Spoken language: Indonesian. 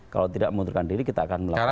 kalau tidak mengundurkan diri kita akan melakukan